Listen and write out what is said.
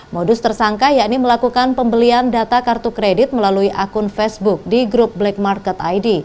modus tersangka yakni melakukan pembelian data kartu kredit melalui akun facebook di grup black market id